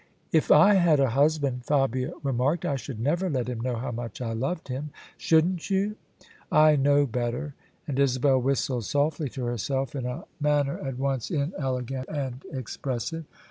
" If I had a husband," Fabia remarked, " I should never let him know how much I loved him." "Shouldn't you? I know better." And Isabel whistled softly to herself, in a manner at once inelegant and ex pressive.